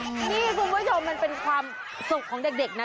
นี่คุณผู้ชมมันเป็นความสุขของเด็กนะ